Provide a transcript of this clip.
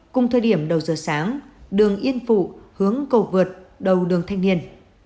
cùng thời điểm đầu giờ sáng đường yên phụ hướng cầu vượt đầu đường thanh niên